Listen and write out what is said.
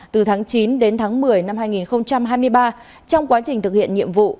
từ tháng chín đến tháng một mươi năm hai nghìn hai mươi ba trong quá trình thực hiện nhiệm vụ